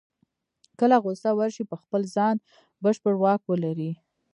کله غوسه ورشي په خپل ځان بشپړ واک ولري.